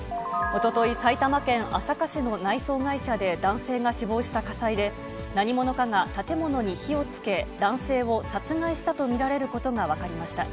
おととい、埼玉県朝霞市の内装会社で男性が死亡した火災で、何者かが建物に火をつけ、男性を殺害したと見られることが分かりました。